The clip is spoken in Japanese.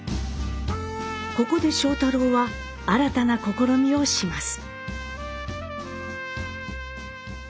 ここで庄太郎は新たな試みをします。